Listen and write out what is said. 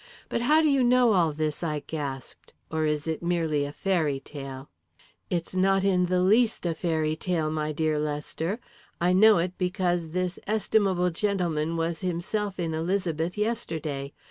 "But how do you know all this?" I gasped. "Or is it merely a fairy tale?" "It's not in the least a fairy tale, my dear Lester. I know it because this estimable gentleman was himself in Elizabeth yesterday.